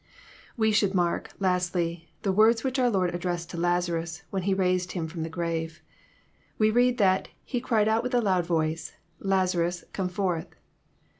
We should mark, lastly, the words which our Lord addressed to Lazarus when he raised him from, the grave. We read that " He cried with a loud voice, Lazarus, come forth